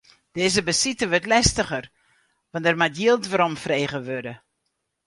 Dizze besite wurdt lestiger, want der moat jild weromfrege wurde.